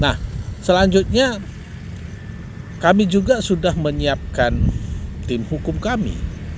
nah selanjutnya kami juga sudah menyiapkan tim hukum kami